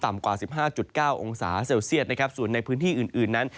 ต่ำกว่า๑๕๙องศาเซลเซียตส่วนในพื้นที่อื่นนั้น